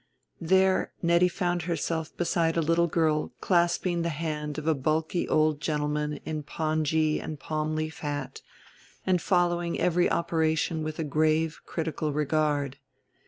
There Nettie found herself beside a little girl clasping the hand of a bulky old gentleman in pongee and a palm leaf hat and following every operation with a grave critical regard.